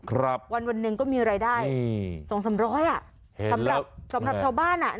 ครับวันวันหนึ่งก็มีรายได้อืมสองสามร้อยอ่ะสำหรับสำหรับชาวบ้านอ่ะ